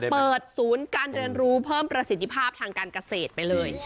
เปิดศูนย์การเรียนรู้เพิ่มประสิทธิภาพทางการเกษตรไปเลย